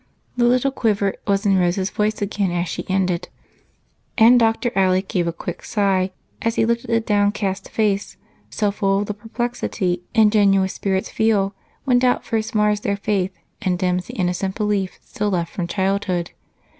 The little quiver was in Rose's voice again as she ended, and Dr. Alec gave a quick sigh as he looked at the downcast face so full of the perplexity ingenuous spirits feel when doubt first mars their faith and dims the innocent beliefs still left from childhood.